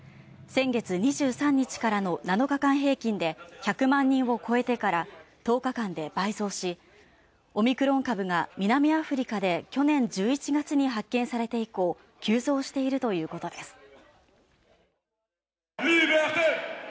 先月２３日からの７日間平均で１００万人を超えてから１０日間で倍増し、オミクロン株が南アフリカで去年１１月に発見されて以降急増しているということです。